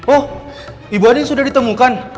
oh ibu andi sudah ditemukan